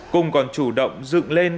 cung còn chủ động dựng lên